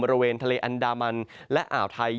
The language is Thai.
บริเวณทะเลอันดามันและอ่าวไทย